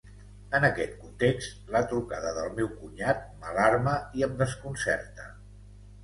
En aquest context, la trucada del meu cunyat m'alarma i em desconcerta.